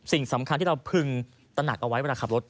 สิ่งสำคัญที่เราพึงตระหนักเอาไว้เวลาขับรถ